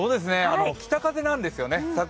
北風なんですよね。